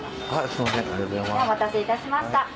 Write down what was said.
お待たせいたしました。